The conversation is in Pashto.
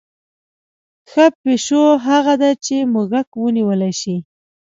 ښه پیشو هغه ده چې موږک ونیولی شي.